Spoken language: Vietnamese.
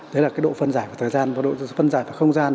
đấy là cái độ phân giải của thời gian và độ phân giải và không gian